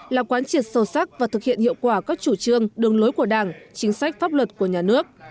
là quán triệt sâu sắc và thực hiện hiệu quả các chủ trương đường lối của đảng chính sách pháp luật của nhà nước